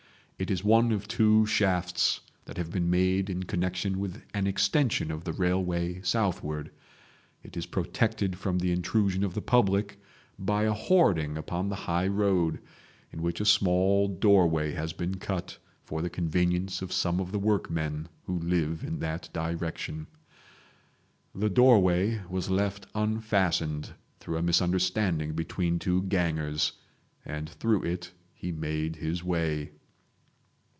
It is one of two shafts that have been made in connection with an extension of the railway southward. It is protected from the intrusion of the public by a hoarding upon the high road, in which a small doorway has been cut for the convenience of some of the workmen who live in that direction. The doorway was left unfastened through a misunderstanding between two gangers, and through it he made his way